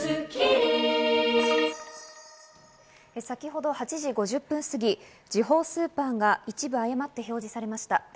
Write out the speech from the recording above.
先ほど８時５０分すぎ、時報スーパーが一部誤って表示されました。